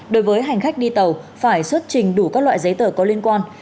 đối với hành khách đi tàu phải xuất trình đủ các loại giấy tờ có liên quan